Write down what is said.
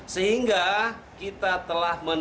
sehingga kita telah menetapkan